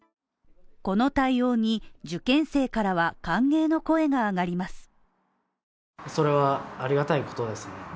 この対応に、受験生からは歓迎の声が上がります。